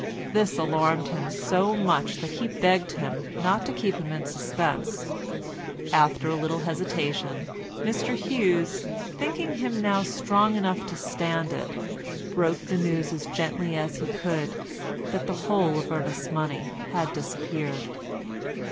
This alarmed him so much that he begged him not to keep him in suspense; after a little hesitation Mr Hughes, thinking him now strong enough to stand it, broke the news as gently as he could that the whole of Ernest's money had disappeared.